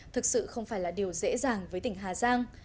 thực sự không phải là điều dễ dàng với tỉnh hà giang